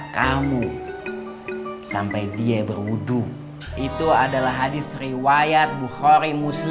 kalian antur roba di wudhu sebentar lagi